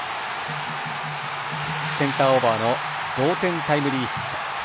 センターオーバーの同点タイムリーヒット。